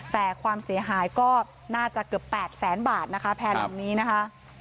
แต่ความเสียหายก็น่าจะเกือบ๘แสนบาทนะคะแพร่ลำนี้นะคะ